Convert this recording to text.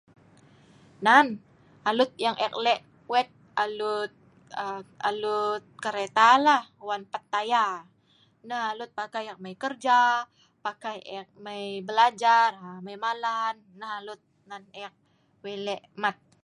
Nan, alut yang eek le' wet alut aa kereta la wan pat tayar. Nah alut pakai eek mai kerja, pakai eek mai belajar, mai malan nah alut nan le' wei eek mat.